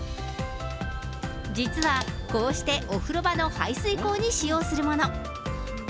実はこうしてお風呂場の排水口に使用するもの。